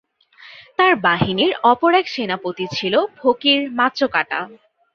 তার বাহিনীর অপর এক সেনাপতি ছিল ফকির মাচ্চকাটা।